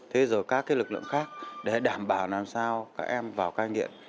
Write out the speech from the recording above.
thế rồi các lực lượng khác để đảm bảo làm sao các em vào cai nghiện